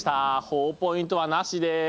ほぉポイントはなしです。